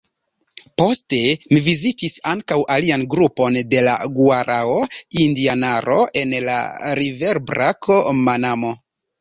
Poste mi vizitis ankaŭ alian grupon de la guarao-indianaro en la riverbrako Manamo.